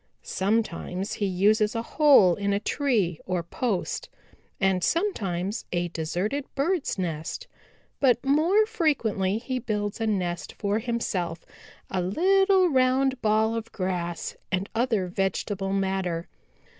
Sometimes he uses a hole in a tree or post and sometimes a deserted birds' nest, but more frequently he builds a nest for himself a little round ball of grass and other vegetable matter.